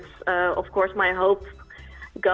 dan tentu saja harapan saya